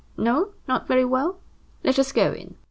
No, not very well. Let us go in."